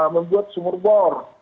membuat sumur bor